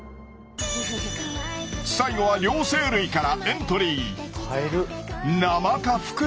最後は両生類からエントリー！